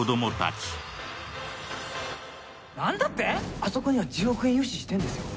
あそこには１０億円融資してんですよ